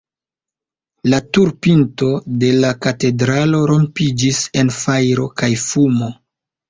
La tur-pinto de la katedralo rompiĝis en fajro kaj fumo.